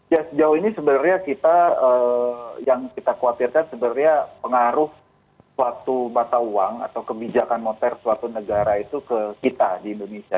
ya sejauh ini sebenarnya kita yang kita khawatirkan sebenarnya pengaruh suatu mata uang atau kebijakan moter suatu negara itu ke kita di indonesia